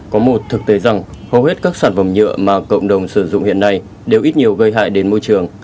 có một thực tế rằng hầu hết các sản phẩm nhựa mà cộng đồng sử dụng hiện nay đều ít nhiều gây hại đến môi trường